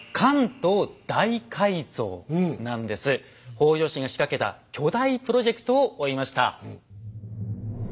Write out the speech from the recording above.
北条氏が仕掛けた巨大プロジェクトを追いました。